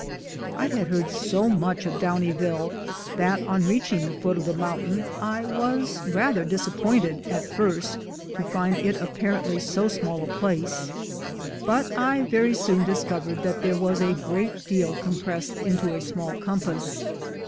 I had heard so much of Downieville, that on reach ing the foot of the mountain I was rather disappointed at first to find it apparently so small a place, but I ON THE WAY TO DOWNIEVILLE 211 very soon discovered that there was a great deal com pressed into a small compass.